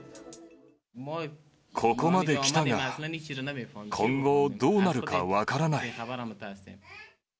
ここまで来たが、今後、どうなるか分からない。